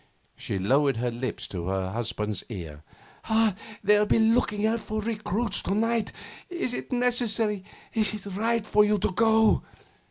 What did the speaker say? She lowered her lips to her husband's ear. 'They'll be looking out for recruits to night. Is it necessary, is it right for you to go?